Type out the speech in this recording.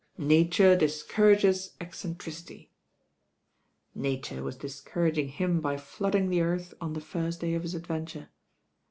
"Nature discourages eccentricity." Nature was discouraging him by flooding the earth on the first day of his adventure.